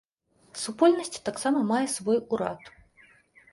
Супольнасць таксама мае свой урад.